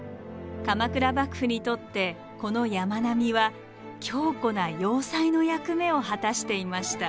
鎌倉幕府にとってこの山並みは強固な要塞の役目を果たしていました。